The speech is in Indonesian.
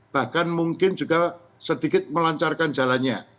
bahkan mungkin juga sedikit melancarkan jalannya